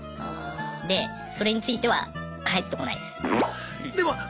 でそれについては返ってこないっす。